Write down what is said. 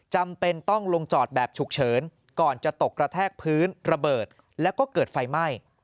จำเป็นต้องลงจอดแบบฉุกเฉินก่อนจะตกกระแทกพื้นระเบิดแล้วก็เกิดไฟไหม้